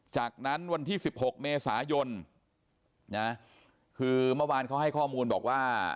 จากนั้นวันที่๑๖เมษายนนะคือเมื่อวานเขาให้ข้อมูลบอกว่า